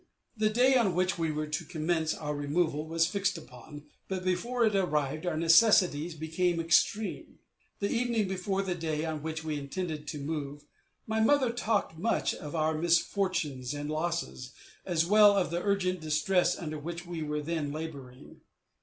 The day on which we were to commence our removal was fixed upon, but before it arrived our necessities became extreme. The evening before the day on which we intended to move my mother talked much of all our misfortunes and losses, as well as of the urgent distress under which we were then laboring.